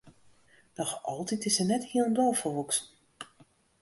Noch altyd is se net hielendal folwoeksen.